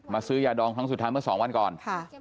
ซื้อยาดองครั้งสุดท้ายเมื่อ๒วันก่อน